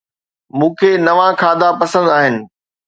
مون کي نوان کاڌا پسند آهن